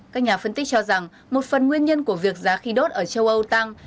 các nhà phân tích cho rằng một phần nguyên nhân của việc giá khí đốt ở châu âu tăng